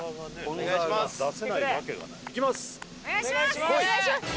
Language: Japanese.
お願いします！